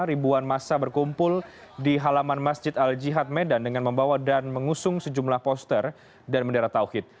ribuan masa berkumpul di halaman masjid al jihad medan dengan membawa dan mengusung sejumlah poster dan bendera tauhid